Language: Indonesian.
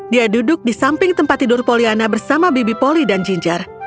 dia duduk di samping tempat tidur poliana bersama bibi poli dan ginger